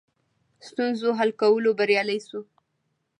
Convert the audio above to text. ستونزو حل کولو بریالي شوي.